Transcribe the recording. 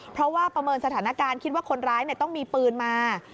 เพราะว่าประเมินสถานการณ์คิดว่าคนร้ายต้องมีปืนมา